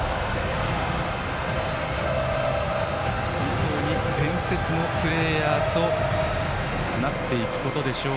本当に伝説のプレーヤーとなっていくことでしょう。